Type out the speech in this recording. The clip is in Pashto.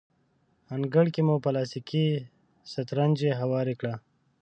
انګړ کې مو پلاستیکي سترنجۍ هواره کړه.